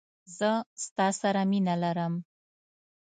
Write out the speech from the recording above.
زه ستا سره مینه لرم